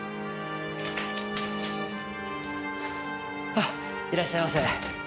ああいらっしゃいませ。